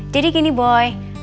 jadi gini boy